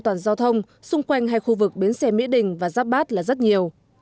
an toàn giao thông xung quanh hai khu vực bến xe mỹ đình và giáp bát là rất nhiều